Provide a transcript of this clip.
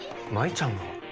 マイちゃんが？